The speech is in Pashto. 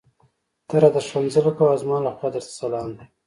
ته راته ښکنځل کوه او زما لخوا درته سلام دی.